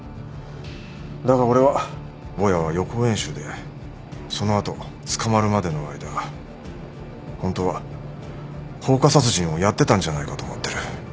だが俺はぼやは予行演習でその後捕まるまでの間本当は放火殺人をやってたんじゃないかと思ってる。